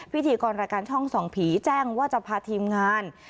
พิธีกรรายการช่องส่องผีแจ้งว่าจะพาทีมงาน